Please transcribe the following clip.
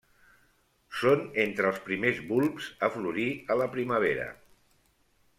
Són entre els primers bulbs a florir a la primavera.